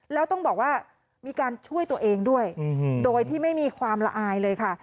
แล้วต้องบอกว่ามีการช่วยตัวเองด้วยโดยที่ไม่มีความละอายเลยค่ะ